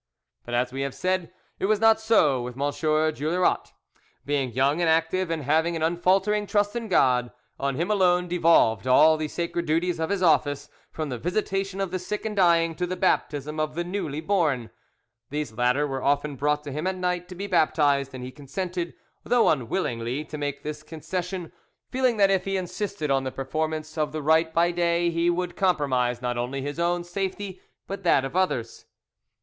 But, as we have said, it was not so with M. Juillerat. Being young and active, and having an unfaltering trust in God, on him alone devolved all the sacred duties of his office, from the visitation of the sick and dying to the baptism of the newly born. These latter were often brought to him at night to be baptized, and he consented, though unwillingly, to make this concession, feeling that if he insisted on the performance of the rite by day he would compromise not only his own safety but that of others.